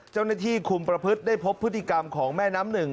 เจ้าหน้าที่คุมประพฤติได้พบพฤติกรรมของแม่น้ำหนึ่ง